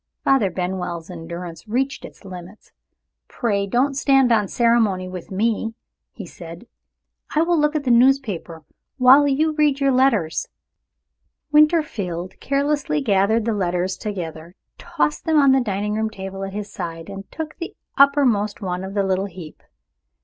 Father Benwell's endurance reached its limits. "Pray don't stand on ceremony with me," he said. "I will look at the newspaper while you read your letters." Winterfield carelessly gathered the letters together, tossed them on the dining table at his side, and took the uppermost one of the little heap.